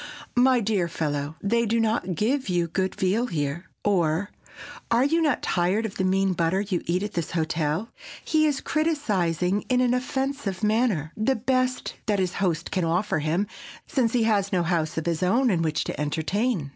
_, "My dear fellow, they do not give you good veal here!" or, "Are you not tired of the mean butter you eat at this hotel?" he is criticizing in an offensive manner the best that his host can offer him, since he has no house of his own in which to entertain.